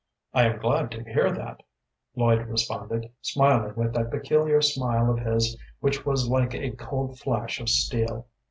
"I am glad to hear that," Lloyd responded, smiling with that peculiar smile of his which was like a cold flash of steel.